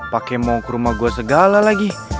pakai mau ke rumah gue segala lagi